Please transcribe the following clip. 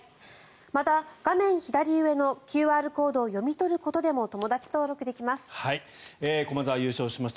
また、画面左上のＱＲコードを読み取ることでも駒澤、優勝しました。